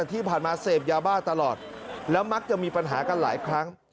ที่ผ่านมาเสพยาบ้าตลอดแล้วมักจะมีปัญหากันหลายครั้ง